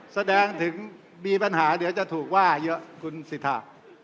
แสดงถึงมีปัญหาเดี๋ยวจะถูกว่าเยอะคุณสิทธา